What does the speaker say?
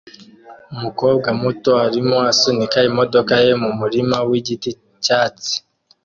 Umukobwa muto arimo asunika imodoka ye mumurima wigiti cyatsi